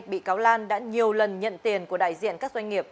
bị cáo lan đã nhiều lần nhận tiền của đại diện các doanh nghiệp